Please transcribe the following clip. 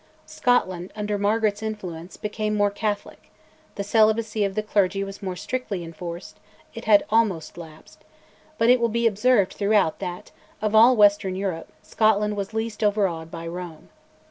Scotland, under Margaret's influence, became more Catholic; the celibacy of the clergy was more strictly enforced (it had almost lapsed), but it will be observed throughout that, of all western Europe, Scotland was least overawed by Rome.